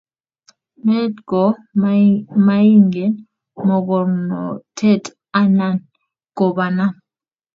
Meet ko maingen mokornotet anan ko banan.